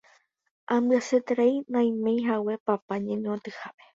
ambyasyeterei naimeihaguére papa ñeñotỹhápe